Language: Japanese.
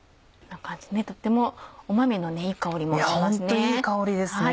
とっても豆のいい香りもしますね。